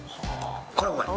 これうまい。